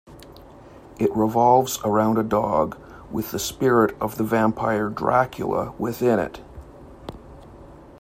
It revolves around a dog with the spirit of the vampire Dracula within it.